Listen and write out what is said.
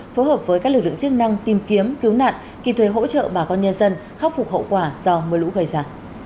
phối hợp với các lực lượng chức năng tìm kiếm cứu nạn kịp thuê hỗ trợ bà con nhân dân khắc phục hậu quả do mưa lũ gây ra